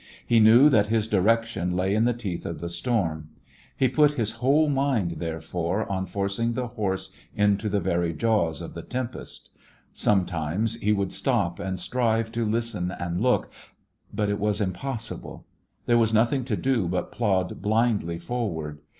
He knew that his direction lay in the teeth of the storm. He put his whole mind, there A Christmas When fore» on forcing the horse into the very jaws of the tempest. Sometimes he would stop and strive to listen and look, but it was impossible. There was nothing to do but plod blindly forward.